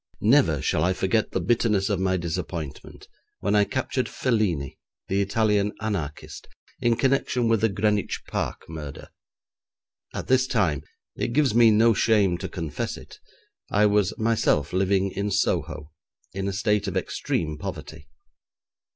Never shall I forget the bitterness of my disappointment when I captured Felini, the Italian anarchist, in connection with the Greenwich Park murder. At this time it gives me no shame to confess it I was myself living in Soho, in a state of extreme poverty.